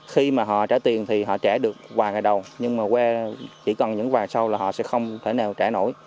khi mà họ trả tiền thì họ trả được vài ngày đầu nhưng mà chỉ cần những quà sau là họ sẽ không thể nào trả nổi